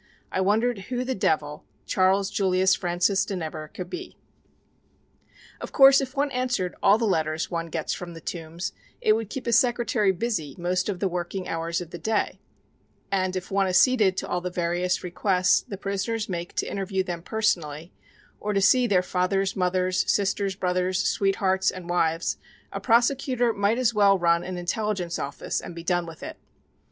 I wondered who the devil Charles Julius Francis de Nevers could be. Of course, if one answered all the letters one gets from the Tombs it would keep a secretary busy most of the working hours of the day, and if one acceded to all the various requests the prisoners make to interview them personally or to see their fathers, mothers, sisters, brothers, sweethearts and wives, a prosecutor might as well run an intelligence office and be done with it.